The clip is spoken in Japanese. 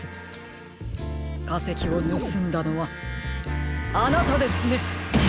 かせきをぬすんだのはあなたですね！